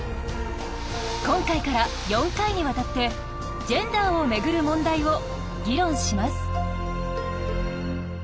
今回から４回にわたってジェンダーをめぐる問題を議論します。